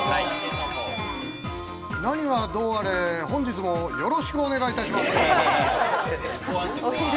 何はどうあれ、本日もよろしくお願いいたします。